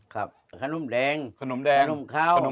ครับขนมแดงขนมแดงขนมขาวขนมขาว